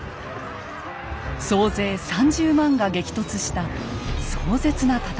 総勢３０万が激突した壮絶な戦いです。